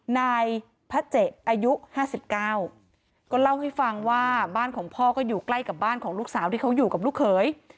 นายพระเจอายุ๕๙ก็เล่าให้ฟังว่าบ้านของพ่อก็อยู่ใกล้กับบ้านของลูกสาวที่เขาอยู่กับลูกเขย